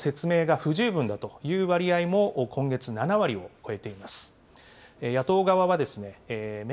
また、政府の説明が不十分だという割合も、今月、７割を超えています。